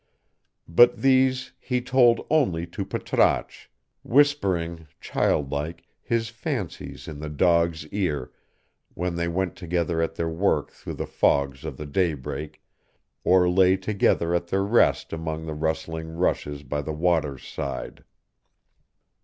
But these he told only to Patrasche, whispering, childlike, his fancies in the dog's ear when they went together at their work through the fogs of the daybreak, or lay together at their rest among the rustling rushes by the water's side.